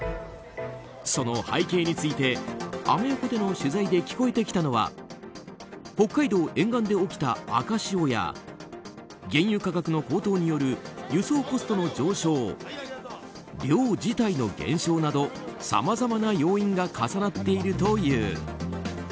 その背景についてアメ横での取材で聞こえてきたのは北海道沿岸で起きた赤潮や原油価格の高騰による輸送コストの上昇漁自体の減少などさまざまな要因が重なっているという。